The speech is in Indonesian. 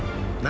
pak bangun pak